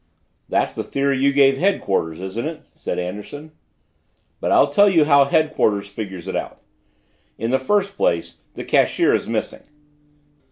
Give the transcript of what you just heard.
"That's the theory you gave headquarters, isn't it?" said Anderson. "But I'll tell you how headquarters figures it out. In the first place, the cashier is missing.